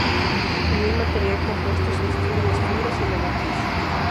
En un material compuesto se distinguen las fibras y la matriz.